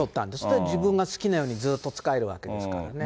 自分が好きなようにずっと使えるわけですからね。